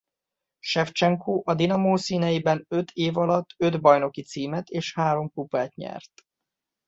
Sevcsenko a Dinamo színeiben öt év alatt öt bajnoki címet és három kupát nyert.